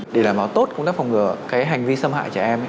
để làm tốt công tác phòng ngừa hành vi xâm hại trẻ em